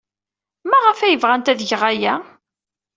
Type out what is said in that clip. Maɣef ay bɣant ad geɣ aya?